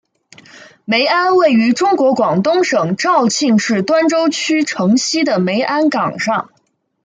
梅庵位于中国广东省肇庆市端州区城西的梅庵岗上。